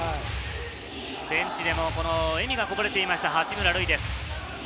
ベンチでも笑みがこぼれています、八村塁です。